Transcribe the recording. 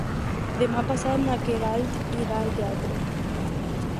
Demà passat na Queralt irà al teatre.